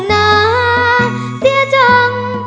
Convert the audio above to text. น่าเสียจัง